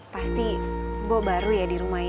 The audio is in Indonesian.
pasti gue baru ya di rumah ya